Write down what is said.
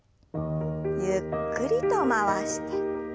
ゆっくりと回して。